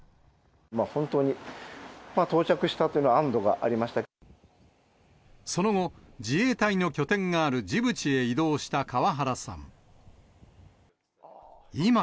本当に、到着したというのは、その後、自衛隊の拠点があるジブチへ移動した川原さん。